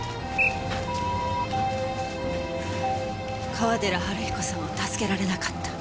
川寺治彦さんを助けられなかった。